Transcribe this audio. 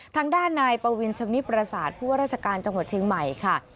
ทางด้านนายปวินชำนิปราศาสตร์ผู้ว่าราชการจังหวัดเชียงใหม่ค่ะ